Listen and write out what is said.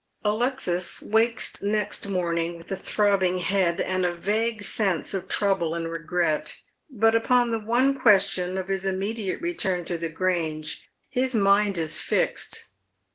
Alexis wakes next morning with a throbbing head and a vague sense of trouble and regret ; but upon the one question of his immediate return to the Grange his mind is fixed.